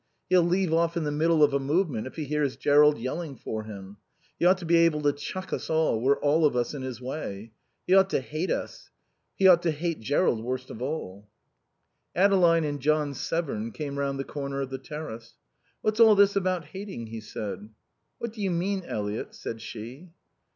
He'll leave off in the middle of a movement if he hears Jerrold yelling for him. He ought to be able to chuck us all; we're all of us in his way. He ought to hate us. He ought to hate Jerrold worst of all." Adeline and John Severn came round the corner of the terrace. "What's all this about hating?" he said. "What do you mean, Eliot?" said she.